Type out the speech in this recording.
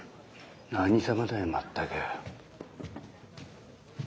何様だよ全く。